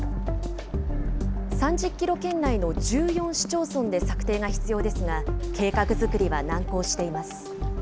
３０キロ圏内の１４市町村で策定が必要ですが、計画作りは難航しています。